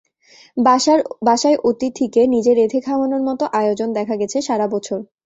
বাসায় অতিথিকে নিজে রেঁধে খাওয়ানোর মতো আয়োজন দেখা গেছে সারা বছর।